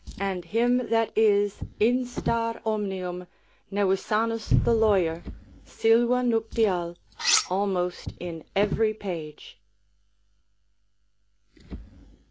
and him that is instar omnium, Nevisanus the lawyer, Sylva nuptial, almost in every page.